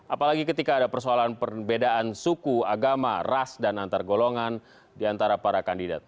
apalagi ketika ada persoalan perbedaan suku agama ras dan antar golongan diantara para kandidat